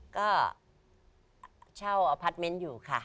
ก็เช่าอพาร์ทเมนต์อยู่ค่ะ